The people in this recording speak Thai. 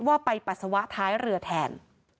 ว่าไปปัสสาวะท้ายเรือแทน